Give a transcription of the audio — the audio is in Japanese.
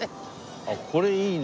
あっこれいいね。